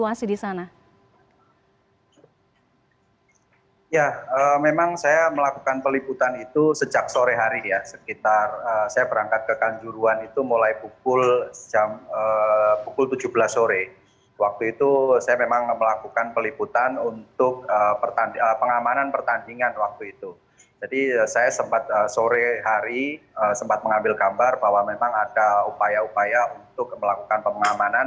jadi saya sempat sore hari sempat mengambil gambar bahwa memang ada upaya upaya untuk melakukan pengamanan